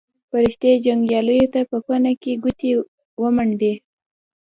فرښتې جنګیالیو ته په کونه کې ګوتې ورمنډي.